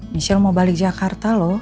michelle mau balik jakarta loh